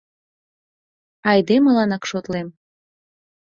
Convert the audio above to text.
Айдемыланак шотлем.